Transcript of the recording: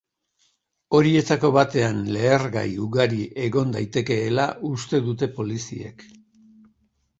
Horietako batean lehergai ugari egon daitekeela uste dute poliziek.